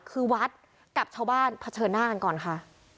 คือวัดกับชาวบ้านเผชิญหน้ากันก่อนค่ะ